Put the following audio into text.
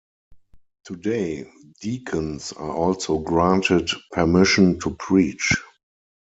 Today, deacons are also granted permission to preach.